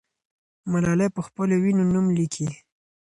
ملالۍ پخپلو وینو نوم لیکي.